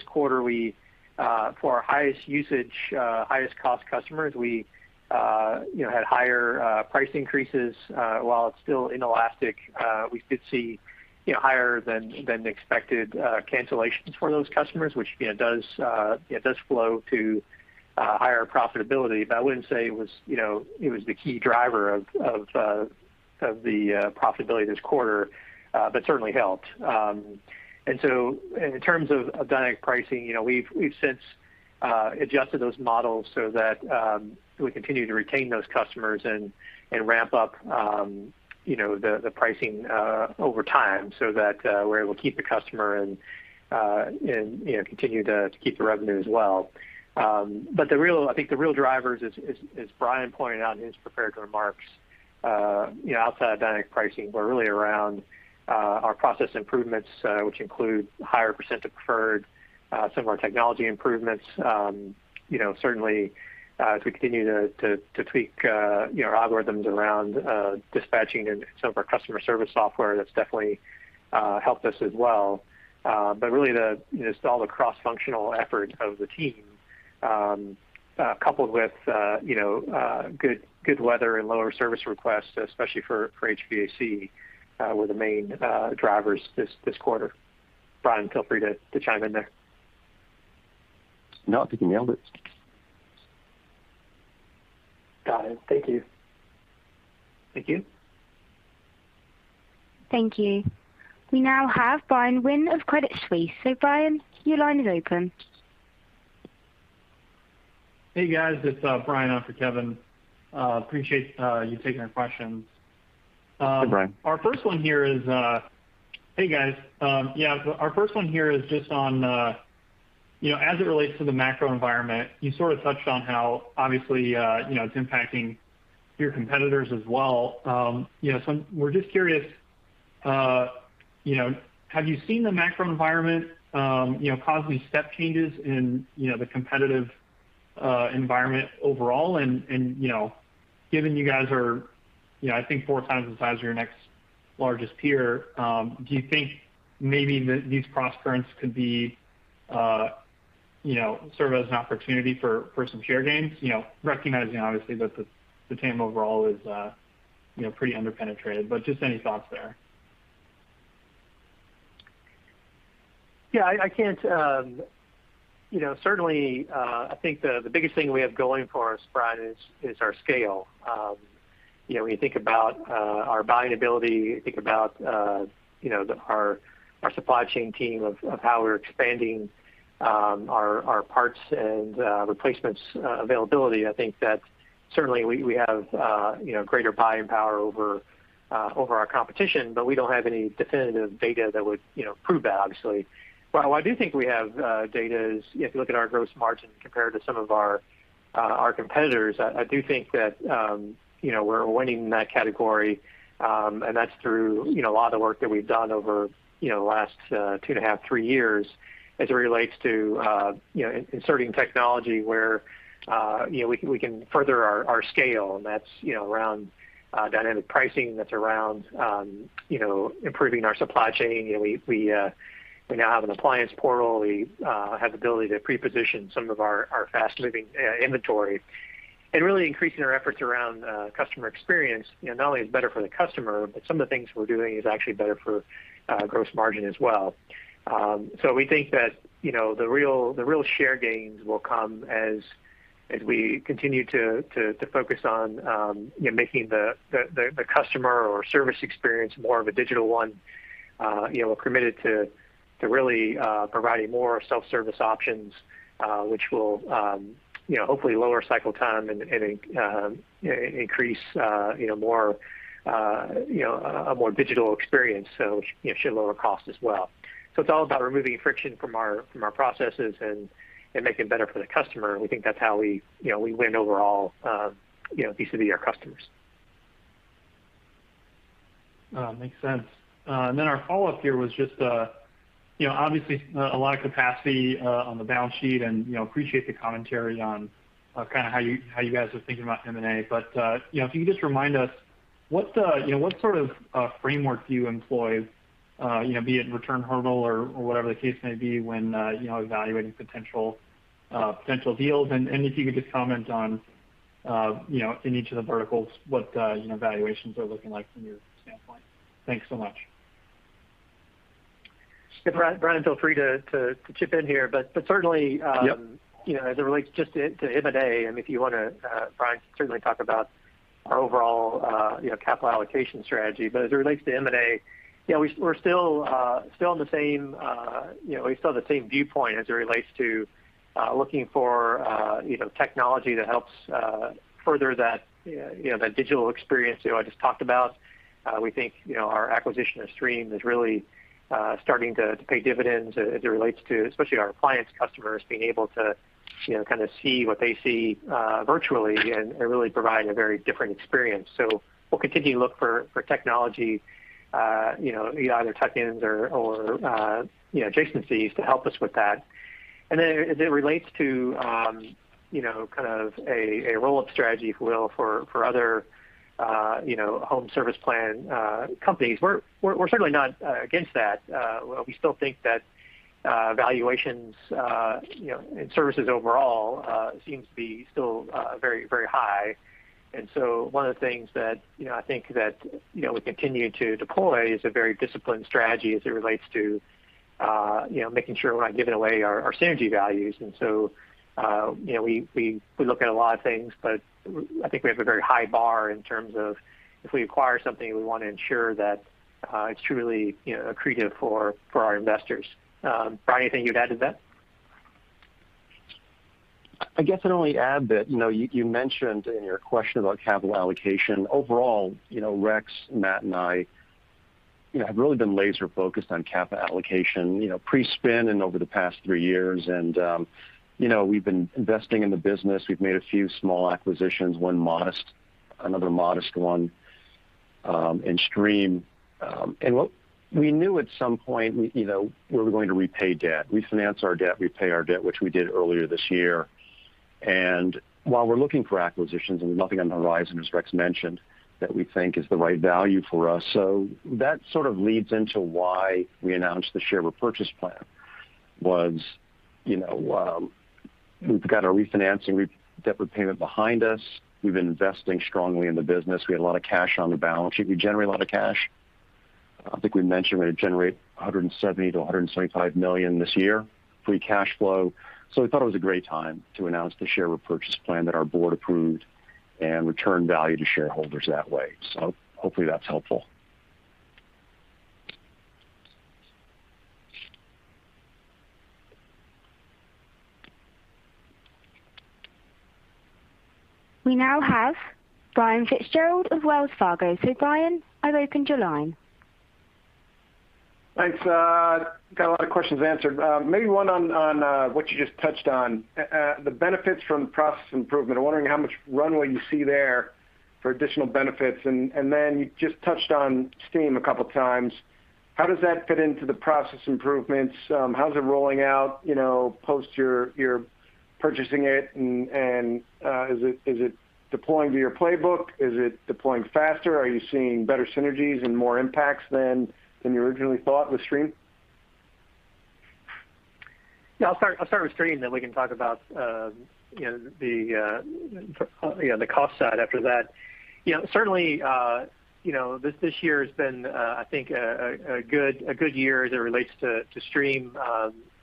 quarter we, for our highest usage, highest cost customers, we had higher price increases. While it's still inelastic, we did see higher than expected cancellations for those customers, which does flow to higher profitability. I wouldn't say it was, you know, it was the key driver of the profitability this quarter, but certainly helped. In terms of dynamic pricing, you know, we've since adjusted those models so that we continue to retain those customers and ramp up, you know, the pricing over time so that we're able to keep the customer and, you know, continue to keep the revenue as well. I think the real drivers, as Brian pointed out in his prepared remarks, you know, outside of dynamic pricing were really around our process improvements, which include higher percent of deferred some of our technology improvements. You know, certainly, as we continue to tweak, you know, our algorithms around dispatching and some of our customer service software, that's definitely helped us as well. Really, you know, just all the cross-functional effort of the team, coupled with, you know, good weather and lower service requests, especially for HVAC, were the main drivers this quarter. Brian, feel free to chime in there. No, I think you nailed it. Got it. Thank you. Thank you. Thank you. We now have Bryan Wynn of Credit Suisse. Bryan, your line is open. Hey, guys. It's Bryan for Kevin. I appreciate you taking our questions. Hey, Bryan. Our first one here is Hey, guys. Yeah, so our first one here is just on you know, as it relates to the macro environment, you sort of touched on how obviously you know, it's impacting your competitors as well. You know, so we're just curious you know, have you seen the macro environment you know, cause these step changes in you know, the competitive environment overall? You know, given you guys are you know, I think 4 times the size of your next largest peer, do you think maybe these crosscurrents could be you know, serve as an opportunity for some share gains? You know, recognizing obviously that the team overall is you know, pretty underpenetrated, but just any thoughts there. Yeah, I can't, you know, certainly, I think the biggest thing we have going for us, Brian, is our scale. You know, when you think about our buying ability, you think about, you know, our supply chain team of how we're expanding our parts and replacements availability, I think that certainly we have, you know, greater buying power over our competition, but we don't have any definitive data that would, you know, prove that obviously. But what I do think we have data is if you look at our gross margin compared to some of our competitors, I do think that, you know, we're winning in that category. That's through, you know, a lot of the work that we've done over, you know, the last 2.5-3 years as it relates to, you know, inserting technology where, you know, we can further our scale, and that's, you know, around dynamic pricing, that's around improving our supply chain. You know, we now have an appliance portal. We have the ability to pre-position some of our fast-moving inventory. Really increasing our efforts around customer experience, you know, not only is it better for the customer, but some of the things we're doing is actually better for gross margin as well. We think that, you know, the real share gains will come as we continue to focus on, you know, making the customer service experience more of a digital one. You know, we're committed to really providing more self-service options, which will, you know, hopefully lower cycle time and increase, you know, a more digital experience, so should lower cost as well. It's all about removing friction from our processes and making it better for the customer. We think that's how we win overall, you know, B2C, our customers. Makes sense. Our follow-up here was just, you know, obviously, a lot of capacity on the balance sheet and, you know, appreciate the commentary on, kind of how you guys are thinking about M&A. You know, if you could just remind us what the, you know, what sort of framework do you employ, you know, be it return hurdle or whatever the case may be when, you know, evaluating potential deals? If you could just comment on, you know, in each of the verticals, what the, you know, valuations are looking like from your standpoint. Thanks so much. Yeah, Brian, feel free to chip in here, certainly. Yep. You know, as it relates just to M&A, I mean, if you wanna, Brian, certainly talk about our overall, you know, capital allocation strategy. As it relates to M&A, yeah, we're still in the same, you know, we still have the same viewpoint as it relates to looking for, you know, technology that helps further that, you know, that digital experience, you know, I just talked about. We think, you know, our acquisition of Streem is really starting to pay dividends as it relates to especially our appliance customers being able to, you know, kind of see what they see virtually and really provide a very different experience. We'll continue to look for technology, you know, either tuck-ins or adjacencies to help us with that. As it relates to, you know, kind of a roll-up strategy, if you will, for other, you know, home service plan companies, we're certainly not against that. We still think that valuations, you know, and services overall, seems to be still very, very high. One of the things that, you know, I think that, you know, we continue to deploy is a very disciplined strategy as it relates to, you know, making sure we're not giving away our synergy values. We look at a lot of things, but I think we have a very high bar in terms of if we acquire something, we want to ensure that it's truly, you know, accretive for our investors. Brian, anything you'd add to that? I guess I'd only add that, you know, you mentioned in your question about capital allocation. Overall, you know, Rex, Matt and I, you know, have really been laser focused on capital allocation, you know, pre-spin and over the past three years. You know, we've been investing in the business. We've made a few small acquisitions, one modest, another modest one, in Streem. What we knew at some point, you know, we're going to repay debt, refinance our debt, repay our debt, which we did earlier this year. While we're looking for acquisitions and nothing on the horizon, as Rex mentioned, that we think is the right value for us. That sort of leads into why we announced the share repurchase plan was, you know, we've got our refinancing and debt repayment behind us. We've been investing strongly in the business. We had a lot of cash on the balance sheet. We generate a lot of cash. I think we mentioned we generate $170 million-$175 million this year, free cash flow. We thought it was a great time to announce the share repurchase plan that our board approved and return value to shareholders that way. Hopefully that's helpful. We now have Brian Fitzgerald of Wells Fargo. Brian, I've opened your line. Thanks. Got a lot of questions answered. Maybe one on what you just touched on, the benefits from the process improvement. I'm wondering how much runway you see there for additional benefits. Then you just touched on Streem a couple of times. How does that fit into the process improvements? How's it rolling out, you know, post your purchasing it? Is it deploying to your playbook? Is it deploying faster? Are you seeing better synergies and more impacts than you originally thought with Streem? Yeah, I'll start with Streem, then we can talk about, you know, the cost side after that. You know, certainly, you know, this year has been, I think, a good year as it relates to Streem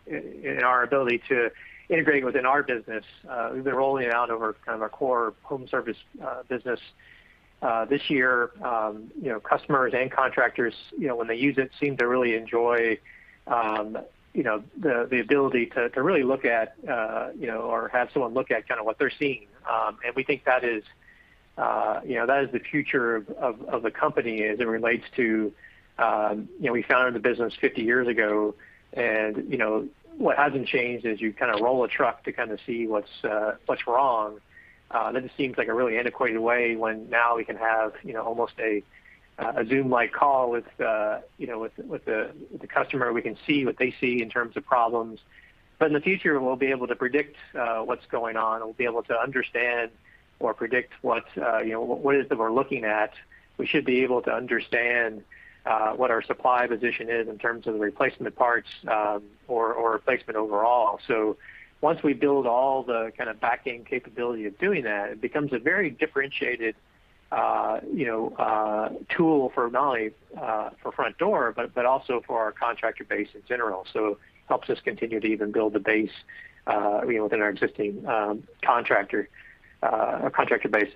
in our ability to integrate within our business. We've been rolling it out over kind of our core home service business this year. You know, customers and contractors, you know, when they use it, seem to really enjoy, you know, the ability to really look at, you know, or have someone look at kind of what they're seeing. We think that is, you know, the future of the company as it relates to, you know, we founded the business 50 years ago. You know, what hasn't changed is you kind of roll a truck to kind of see what's wrong. That just seems like a really antiquated way when now we can have, you know, almost a Zoom-like call with the customer. We can see what they see in terms of problems. In the future, we'll be able to predict what's going on. We'll be able to understand or predict what is it we're looking at. We should be able to understand what our supply position is in terms of the replacement parts, or replacement overall. Once we build all the kind of back-end capability of doing that, it becomes a very differentiated, you know, tool for not only for Frontdoor, but also for our contractor base in general. It helps us continue to even build the base, you know, within our existing contractor base.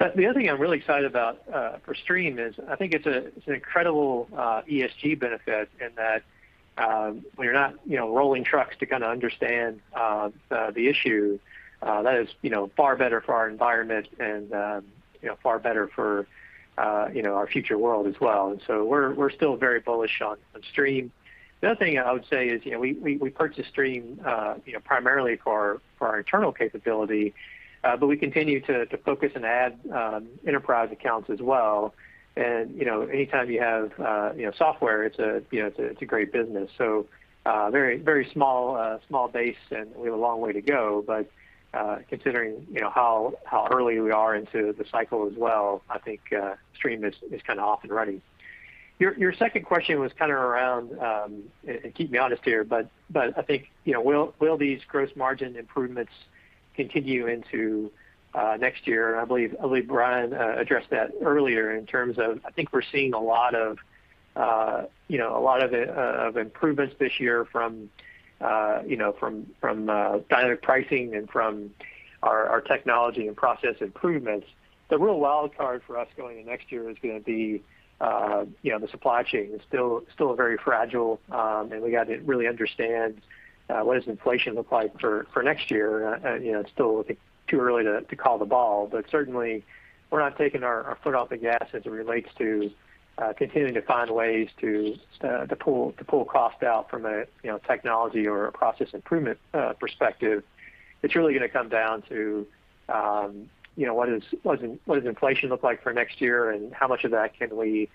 The other thing I'm really excited about for Streem is I think it's an incredible ESG benefit in that when you're not you know rolling trucks to kind of understand the issue that is you know far better for our environment and you know far better for you know our future world as well. We're still very bullish on Streem. The other thing I would say is, you know, we purchased Streem, you know, primarily for our internal capability, but we continue to focus and add enterprise accounts as well. You know, anytime you have, you know, software, it's a great business. Very small base, and we have a long way to go. Considering, you know, how early we are into the cycle as well, I think Streem is kind of off and running. Your second question was kind of around, and keep me honest here, but I think, you know, will these gross margin improvements continue into next year? I believe Brian addressed that earlier in terms of I think we're seeing a lot of improvements this year from dynamic pricing and from our technology and process improvements. The real wild card for us going into next year is gonna be the supply chain is still very fragile. We got to really understand what is inflation look like for next year. It's still, I think, too early to call the ball, but certainly we're not taking our foot off the gas as it relates to continuing to find ways to pull cost out from a technology or a process improvement perspective. It's really gonna come down to, you know, what does inflation look like for next year, and how much of that can we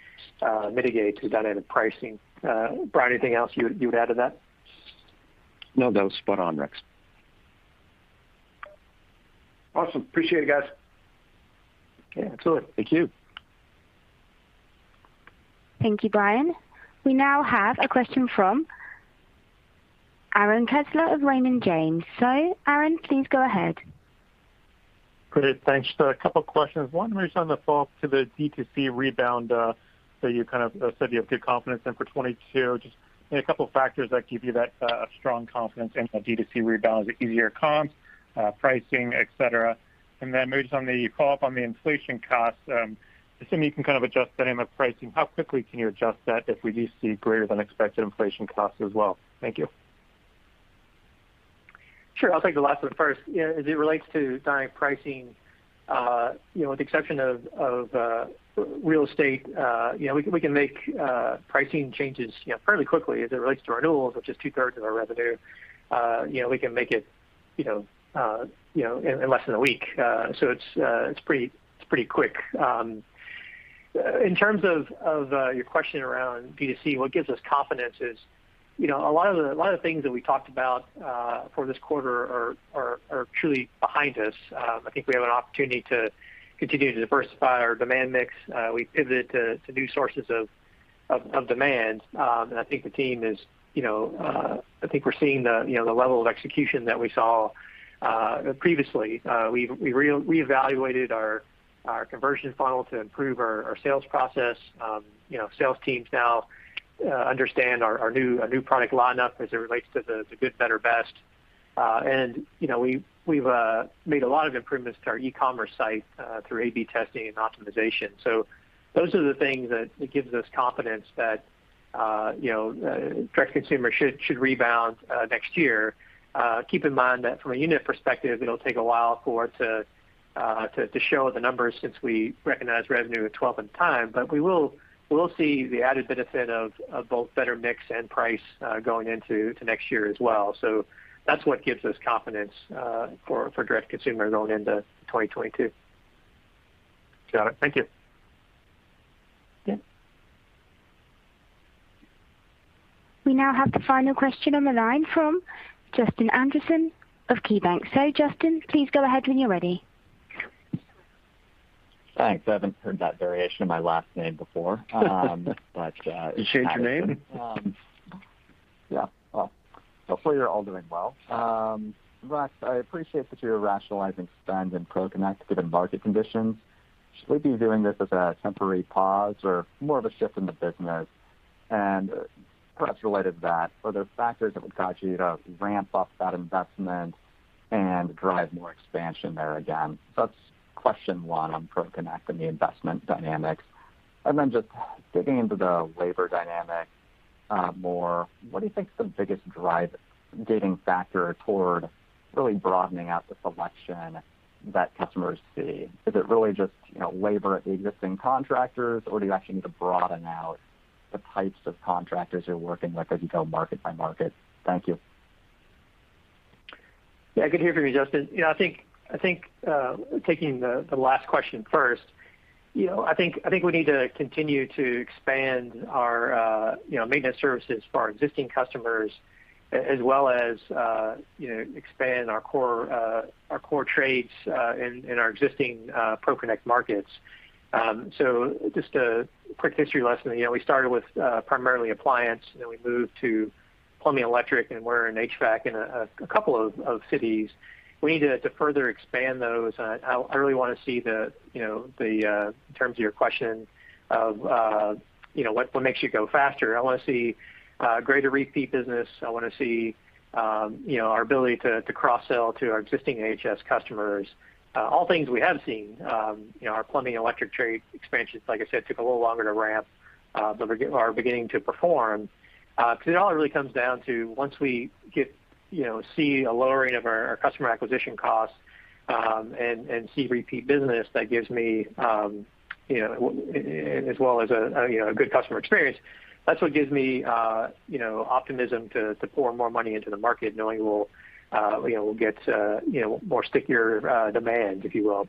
mitigate through dynamic pricing? Brian, anything else you would add to that? No, that was spot on, Rex. Awesome. Appreciate it, guys. Yeah, absolutely. Thank you. Thank you, Brian. We now have a question from Aaron Kessler of Raymond James. Aaron, please go ahead. Great. Thanks. A couple of questions. One moves on the fall to the D2C rebound that you kind of said you have good confidence in for 2022. Just, you know, a couple of factors that give you that strong confidence in the D2C rebound, the easier comps, pricing, etc. Maybe just on the follow-up on the inflation costs, assuming you can kind of adjust dynamic pricing, how quickly can you adjust that if we do see greater than expected inflation costs as well? Thank you. Sure. I'll take the last one first. You know, as it relates to dynamic pricing, you know, with the exception of real estate, you know, we can make pricing changes, you know, fairly quickly as it relates to renewals, which is two-thirds of our revenue. You know, we can make it, you know, in less than a week. So it's pretty quick. In terms of your question around D2C, what gives us confidence is, you know, a lot of the things that we talked about for this quarter are truly behind us. I think we have an opportunity to continue to diversify our demand mix. We pivot to new sources of demand. I think the team is, you know, I think we're seeing the, you know, the level of execution that we saw previously. We re-evaluated our conversion funnel to improve our sales process. You know, sales teams now understand our new product lineup as it relates to the good, better, best. You know, we've made a lot of improvements to our e-commerce site through A/B testing and optimization. Those are the things that gives us confidence that, you know, direct consumer should rebound next year. Keep in mind that from a unit perspective, it'll take a while for it to show the numbers since we recognize revenue at 12-month time. We will see the added benefit of both better mix and price, going into next year as well. That's what gives us confidence for direct consumer going into 2022. Got it. Thank you. Yeah. We now have the final question on the line from Justin Patterson of KeyBanc. Justin, please go ahead when you're ready. Thanks. I haven't heard that variation of my last name before. You changed your name? Yeah. Well, hopefully you're all doing well. Rex, I appreciate that you're rationalizing spend in ProConnect given market conditions. Should we be viewing this as a temporary pause or more of a shift in the business? Perhaps related to that, are there factors that would cause you to ramp up that investment and drive more expansion there again? That's question one on ProConnect and the investment dynamics. Just digging into the labor dynamic, more, what do you think is the biggest driving factor toward really broadening out the selection that customers see? Is it really just, you know, labor at the existing contractors, or do you actually need to broaden out the types of contractors you're working with as you go market by market? Thank you. Yeah, I could hear from you, Justin. You know, I think taking the last question first, you know, I think we need to continue to expand our maintenance services for our existing customers as well as you know expand our core trades in our existing ProConnect markets. Just a quick history lesson. You know, we started with primarily appliance, then we moved to plumbing, electric, and we're in HVAC in a couple of cities. We need to further expand those. I really wanna see that, you know, the in terms of your question of you know what makes you go faster. I wanna see greater repeat business. I wanna see our ability to cross-sell to our existing AHS customers. All things we have seen. Our plumbing electric trade expansions, like I said, took a little longer to ramp, but we are beginning to perform. It all really comes down to once we get to see a lower rate of our customer acquisition costs and see repeat business, that gives me as well as a good customer experience. That's what gives me optimism to pour more money into the market knowing we'll get more stickier demand, if you will.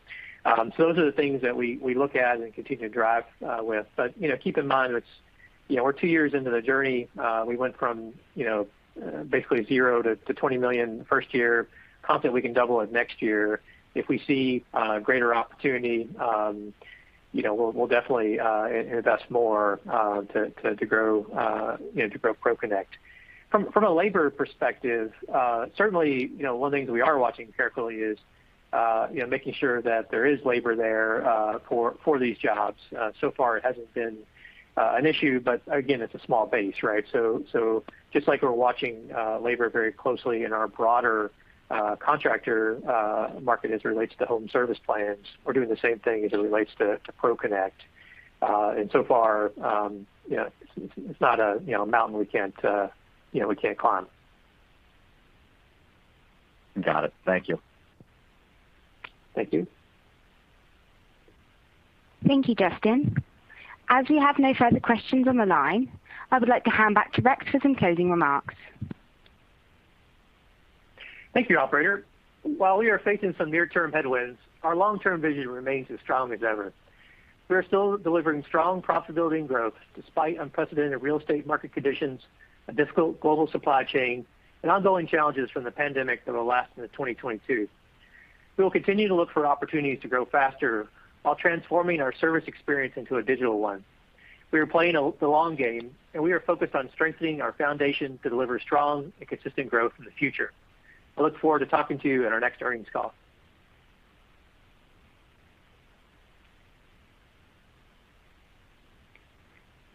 Those are the things that we look at and continue to drive with. You know, keep in mind it's, you know, we're two years into the journey. We went from, you know, basically zero to $20 million first year. Confident we can double it next year. If we see greater opportunity, you know, we'll definitely invest more to grow ProConnect. From a labor perspective, certainly, you know, one of the things we are watching carefully is you know, making sure that there is labor there for these jobs. So far it hasn't been an issue, but again, it's a small base, right? So just like we're watching labor very closely in our broader contractor market as it relates to home service plans, we're doing the same thing as it relates to ProConnect. So far, you know, it's not a mountain we can't climb. Got it. Thank you. Thank you. Thank you, Justin. As we have no further questions on the line, I would like to hand back to Rex for some closing remarks. Thank you, operator. While we are facing some near-term headwinds, our long-term vision remains as strong as ever. We are still delivering strong profitability and growth despite unprecedented real estate market conditions, a difficult global supply chain and ongoing challenges from the pandemic that will last into 2022. We will continue to look for opportunities to grow faster while transforming our service experience into a digital one. We are playing the long game, and we are focused on strengthening our foundation to deliver strong and consistent growth in the future. I look forward to talking to you at our next earnings call.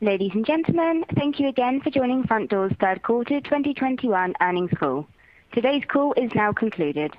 Ladies and gentlemen, thank you again for joining Frontdoor's third quarter 2021 earnings call. Today's call is now concluded.